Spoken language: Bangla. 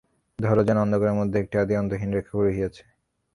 ধর, যেন অন্ধকারের মধ্যে একটি আদি-অন্তহীন রেখা রহিয়াছে।